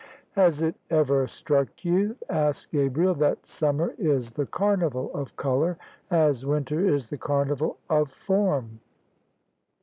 " Has it ever struck you," asked Gabriel, " that summer is the carnival of colour, as winter is the carnival of form?